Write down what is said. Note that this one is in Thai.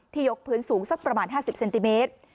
ยกพื้นสูงสักประมาณ๕๐เซนติเมตร